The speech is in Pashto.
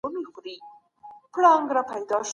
په شرعي طريقه د نارينه او ښځي ايجاب او قبول نکاح بلل کيږي